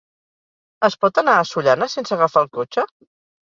Es pot anar a Sollana sense agafar el cotxe?